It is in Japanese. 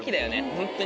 ホントに。